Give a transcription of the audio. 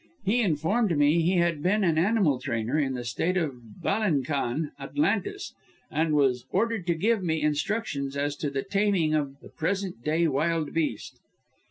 He informed me he had been an animal trainer in the State of Ballyynkan, Atlantis, and was ordered to give me instructions as to the taming of the present day wild beast.